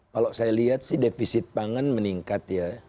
kalau saya lihat sih defisit pangan meningkat ya